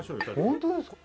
本当ですか？